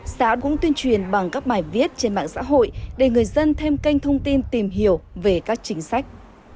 xã cũng tuyên truyền bằng các bài viết trên mạng xã hội để người dân thêm kênh thông tin tìm hiểu về các chính sách